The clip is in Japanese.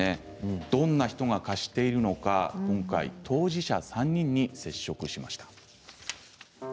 どんな人が貸しているのか今回当事者３人に接触しました。